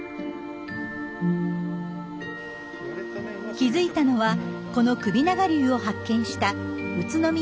気付いたのはこの首長竜を発見した宇都宮聡さん。